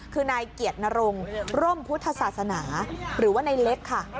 คือนายเกียรตินรงร่มพุทธศาสนาหรือว่าในเล็กค่ะ